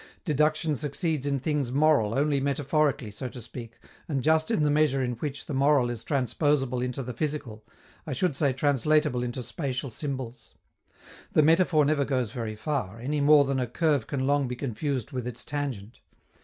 Deduction succeeds in things moral only metaphorically, so to speak, and just in the measure in which the moral is transposable into the physical, I should say translatable into spatial symbols. The metaphor never goes very far, any more than a curve can long be confused with its tangent.